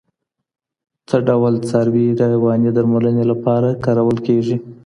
څه ډول څاروي رواني درملني لپاره کارول کېږي؟